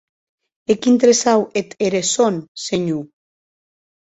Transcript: E quin tresau ère eth sòn, senhor?